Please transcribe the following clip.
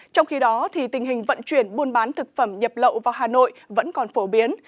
trong khi đó tình hình vận chuyển buôn bán thực phẩm nhập lậu vào hà nội vẫn còn phổ biến